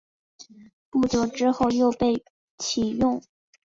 不久之后又被起用。